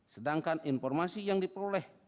sedangkan informasi yang diperoleh